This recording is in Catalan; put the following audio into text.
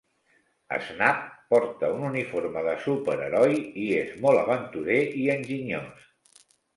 Snap porta un uniforme de superheroi i és molt aventurer i enginyós.